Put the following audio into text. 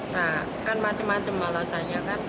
nah kan macam macam alasannya kan